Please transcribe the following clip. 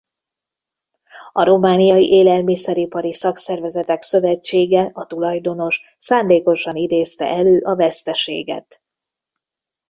A romániai Élelmiszeripari Szakszervezetek Szövetsége a tulajdonos szándékosan idézte elő a veszteséget.